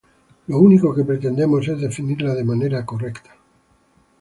¡lo único que pretendemos es definirla de manera correcta!